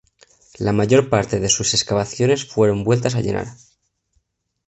La mayor parte de sus excavaciones fueron vueltas a llenar.